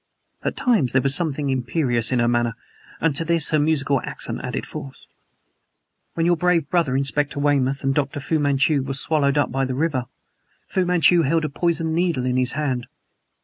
(At times there was something imperious in her manner; and to this her musical accent added force.) "When your brave brother, Inspector Weymouth, and Dr. Fu Manchu, were swallowed up by the river, Fu Manchu held a poisoned needle in his hand.